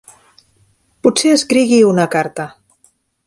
Potser escrigui una carta.